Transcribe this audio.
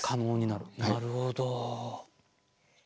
なるほど。